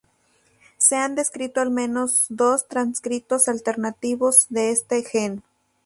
Se han descrito al menos dos transcritos alternativos de este gen.